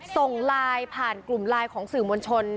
ส่งไลน์ผ่านกลุ่มไลน์ของสื่อมวลชน